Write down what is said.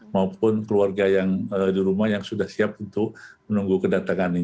maupun keluarga yang di rumah yang sudah siap untuk menunggu kedatangan ini